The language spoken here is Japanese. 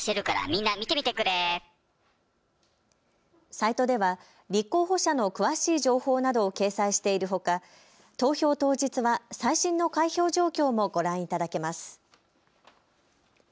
サイトでは立候補者の詳しい情報などを掲載しているほか投票当日は最新の開票状況もご覧いただけます。